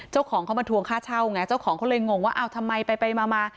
เจ้าของเขามาทวงค่าเช่าไงเจ้าของเขาเลยงงว่าอ้าวทำไมไปมามา